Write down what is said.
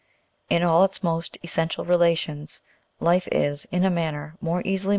In all its most essential relations, life is, in a manner, more easily .